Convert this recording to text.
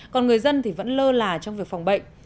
còn người dân thì vẫn lơ là trong việc phòng bệnh